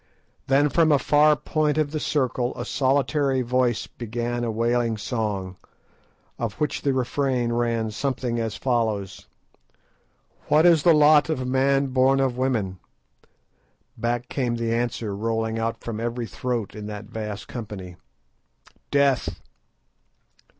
Then from a far point of the circle a solitary voice began a wailing song, of which the refrain ran something as follows:— "What is the lot of man born of woman?" Back came the answer rolling out from every throat in that vast company— "_Death!